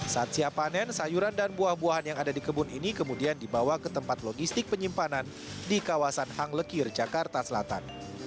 saat siap panen sayuran dan buah buahan yang ada di kebun ini kemudian dibawa ke tempat logistik penyimpanan di kawasan hang lekir jakarta selatan